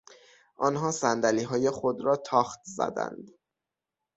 آنها صندلیهای خود را تاخت زدند.